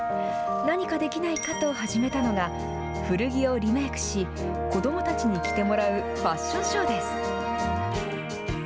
何かできないかと始めたのが古着をリメイクし子どもたちに着てもらうファッションショーです。